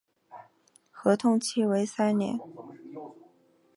合同期为三年。